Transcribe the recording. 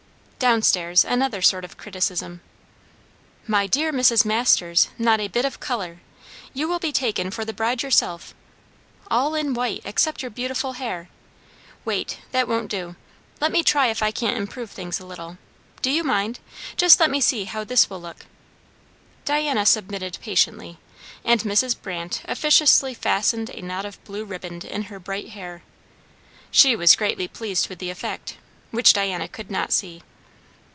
Downstairs another sort of criticism. "My dear Mrs. Masters! Not a bit of colour! You will be taken for the bride yourself. All in white, except your beautiful hair! Wait, that won't do; let me try if I can't improve things a little do you mind? Just let me see how this will look." Diana submitted patiently, and Mrs. Brandt officiously fastened a knot of blue ribband in her bright hair. She was greatly pleased with the effect, which Diana could not see.